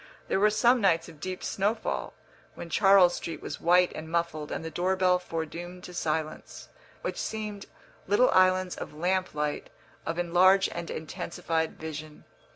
There were some nights of deep snowfall, when Charles Street was white and muffled and the door bell foredoomed to silence, which seemed little islands of lamp light, of enlarged and intensified vision.